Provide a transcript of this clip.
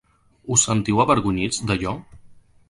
Us sentiu avergonyits d’allò?.